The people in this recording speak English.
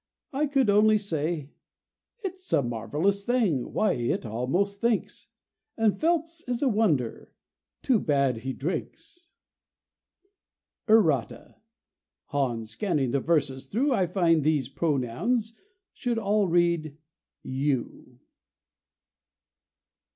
I[A] could only say: "It's a marvelous thing! Why, it almost thinks! And Phelps is a wonder too bad he drinks!" [Footnote A: (Errata: On scanning the verses through I find these pronouns should all read "You.")